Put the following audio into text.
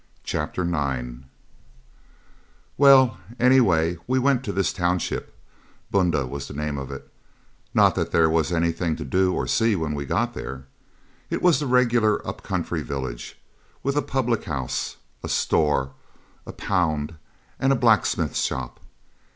Chapter 9 Well, away we went to this township. Bundah was the name of it; not that there was anything to do or see when we got there. It was the regular up country village, with a public house, a store, a pound, and a blacksmith's shop.